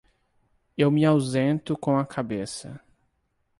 Eu me ausento com a cabeça.